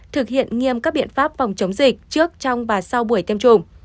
thực hiện nghiêm các biện pháp phòng chống dịch trước trong và sau buổi tiêm chủng